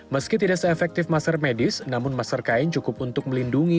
meski tidak se efektif masker medis namun masker kain cukup untuk melindungi